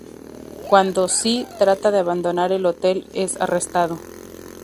Cuando Sy trata de abandonar el hotel, es arrestado.